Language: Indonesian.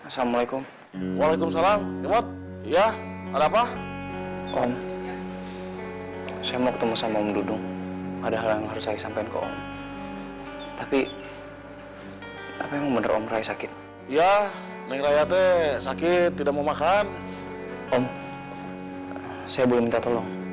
saya boleh minta tolong